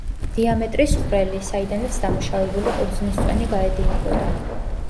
დიამეტრის ხვრელი, საიდანაც დამუშავებული ყურძნის წვენი გაედინებოდა.